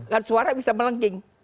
kan suara bisa melengking